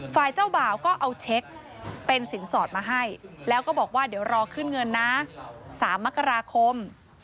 ฝ่ายเจ้าบ่าวก็เอาเช็คเป็นสินสอดมาให้แล้วก็บอกว่าเดี๋ยวรอขึ้นเงินนะ๓มกราคม